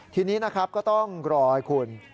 ทีนี้นะครับก็ต้องรอให้คุณ